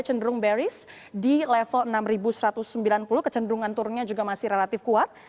kecenderungan turunnya masih relatif kuat